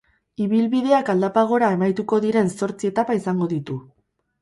Ibilbideak aldapa gora amaituko diren zortzi etapa izango ditu.